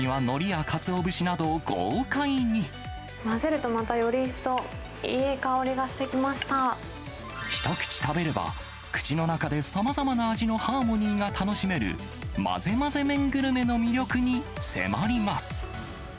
さらには、混ぜると、またより一層、一口食べれば、口の中でさまざまな味のハーモニーが楽しめる、まぜまぜ麺グルメの魅力に迫ります。